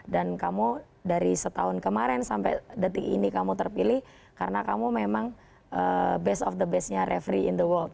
dan kamu dari setahun kemarin sampai detik ini kamu terpilih karena kamu memang best of the bestnya referee in the world